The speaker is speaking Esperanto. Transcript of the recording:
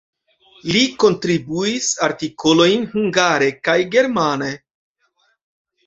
Li kontribuis artikolojn hungare kaj germane.